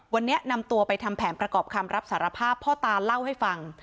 วันนี้นำตัวไปทำแผนประกอบคำรับสารภาพพ่อตาเล่าให้ฟัง